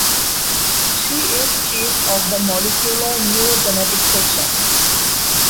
She is chief of the Molecular Neurogenetics Section.